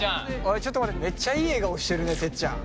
ちょっと待ってめっちゃいい笑顔してるねてっちゃん。